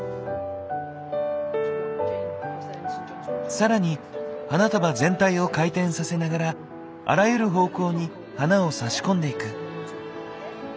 更に花束全体を回転させながらあらゆる方向に花を差し込んでいく。